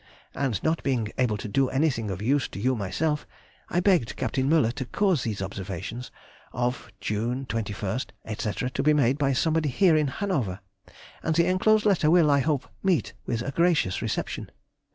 And not being able to do anything of use to you myself, I begged Capt. Müller to cause those observations of June 21st, &c., to be made by somebody here in Hanover, and the enclosed letter will, I hope, meet with a gracious reception....